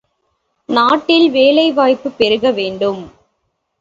நாட்டில் வேலை வாய்ப்புப் பெருக வேண்டும்!